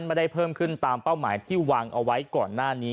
ไม่ได้เพิ่มขึ้นตามเป้าหมายที่วางเอาไว้ก่อนหน้านี้